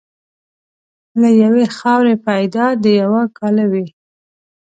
له یوې خاورې پیدا د یوه کاله وې.